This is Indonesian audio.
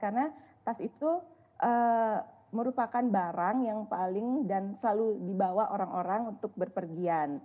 karena tas itu merupakan barang yang paling dan selalu dibawa orang orang untuk berpergian